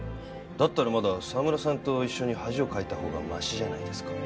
だったらまだ澤村さんと一緒に恥をかいたほうがマシじゃないですか？